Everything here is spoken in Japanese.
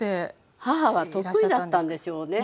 母は得意だったんでしょうね。